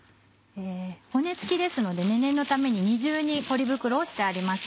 骨つきですので念のために二重にポリ袋をしてあります。